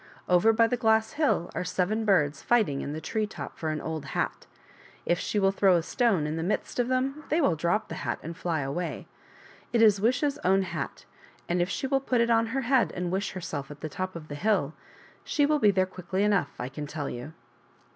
Over by the glass hill are seven birds fighting in the tree top for an old hat. If she will throw a stone in the midst of them they will drop the hat and fly away. It is Wish's own hat, and if she will put it on her head and wish herself at the top of the hill, she will be there quickly Enough, I can tell you."